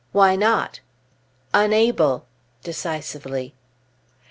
"Why not?" "Unable" (decisively).